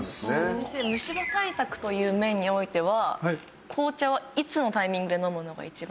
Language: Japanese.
先生虫歯対策という面においては紅茶はいつのタイミングで飲むのが一番。